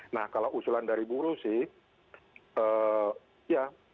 nah kalau usulan dari buruh sih